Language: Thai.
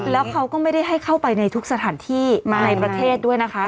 แล้วเขาก็ไม่ได้ให้เข้าไปในทุกสถานที่ในประเทศด้วยนะคะ